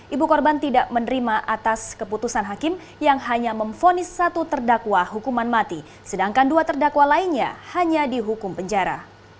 ibu korban tidak menerima atas keputusan hakim yang hanya memfonis satu terdakwa hukuman mati sedangkan dua terdakwa lainnya hanya dihukum penjara